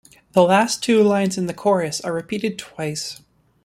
The last two lines in the chorus are repeated twice.